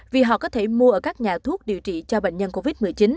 vì họ có thể mua ở các nhà thuốc điều trị cho bệnh nhân covid một mươi chín